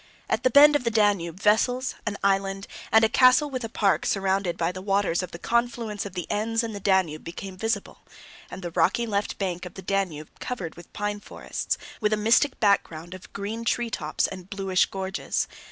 At the bend of the Danube, vessels, an island, and a castle with a park surrounded by the waters of the confluence of the Enns and the Danube became visible, and the rocky left bank of the Danube covered with pine forests, with a mystic background of green treetops and bluish gorges.